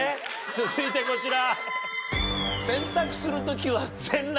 続いてこちら。